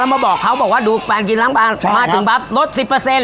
มาบอกเขาบอกว่าดูแฟนกินล้างบางมาถึงปั๊บลดสิบเปอร์เซ็น